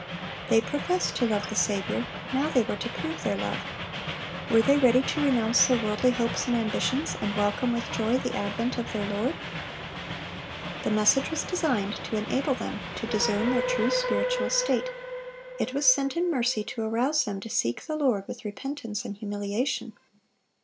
They professed to love the Saviour; now they were to prove their love. Were they ready to renounce their worldly hopes and ambitions, and welcome with joy the advent of their Lord? The message was designed to enable them to discern their true spiritual state; it was sent in mercy to arouse them to seek the Lord with repentance and humiliation.